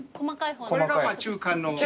これが中間の。